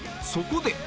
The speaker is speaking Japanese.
そこで